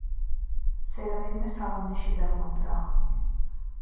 სერაფიმე სავანეში დაბრუნდა.